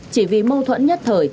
chỉ vì mâu thuẫn nhất thời